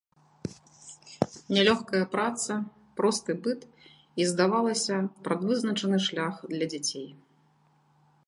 Нялёгкая праца, просты быт і, здавалася, прадвызначаны шлях для дзяцей.